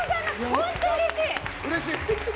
本当うれしい！